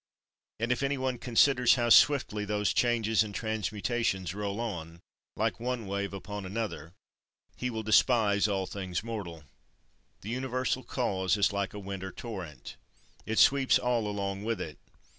And, if any one considers how swiftly those changes and transmutations roll on, like one wave upon another, he will despise all things mortal. 29. The universal cause is like a winter torrent. It sweeps all along with it.